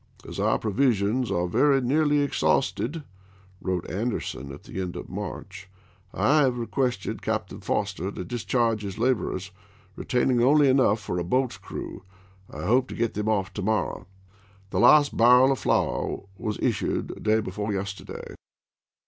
"As our provisions are very nearly ex hausted," wrote Anderson, at the end of March, " I have requested Captain Foster to discharge his Anderson l^borcrs, retaining only enough for a boat's crew. Ma^siTsei.' I hope to get them off to morrow. The last barrel \^. 228.^' of flour was issued day before yesterday."